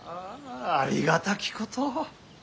ありがたきこと。